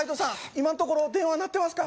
今んところ電話鳴ってますか？